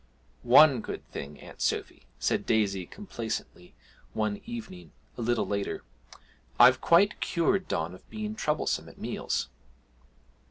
'One good thing, Aunt Sophy,' said Daisy complacently one evening, a little later, 'I've quite cured Don of being troublesome at meals!'